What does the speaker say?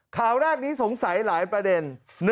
ข่าวแรกนี้สงสัยหลายประเด็น